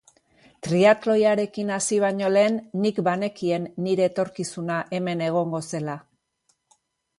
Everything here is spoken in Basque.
Triatloiarekin hasi baino lehen, nik banekien nire etorkizuna hemen egongo zela.